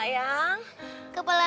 nani udah gak kuat